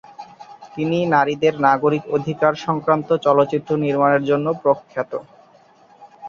তিনি নারীদের নাগরিক অধিকার সংক্রান্ত চলচ্চিত্র নির্মাণের জন্য প্রখ্যাত।